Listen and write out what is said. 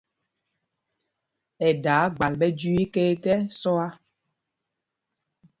Ɛ daa gbal ɓɛ jüii iká ekɛ́ sɔa.